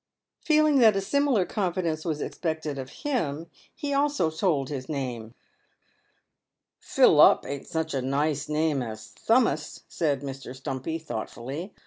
Feeling that a similar confidence was expected of him, he also told his name. " Philup ain't such a nice name as Thummus," said Mr. Stumpy, thoughtfully.